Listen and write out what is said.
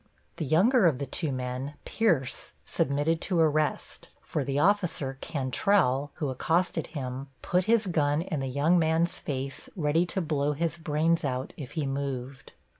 The younger of the two men, Pierce, submitted to arrest, for the officer, Cantrelle, who accosted him, put his gun in the young man's face ready to blow his brains out if he moved.